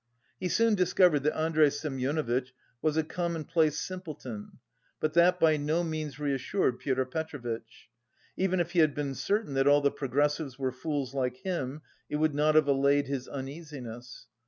He soon discovered that Andrey Semyonovitch was a commonplace simpleton, but that by no means reassured Pyotr Petrovitch. Even if he had been certain that all the progressives were fools like him, it would not have allayed his uneasiness.